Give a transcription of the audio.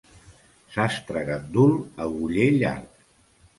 Sastre gandul, aguller llarg.